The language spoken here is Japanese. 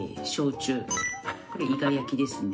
これ伊賀焼ですね。